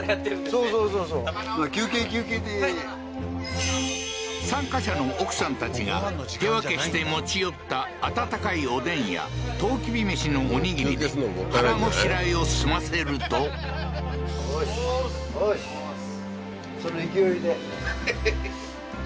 そうそう参加者の奥さんたちが手分けして持ち寄った温かいおでんやとうきびめしのおにぎりで腹ごしらえを済ませるとははははっ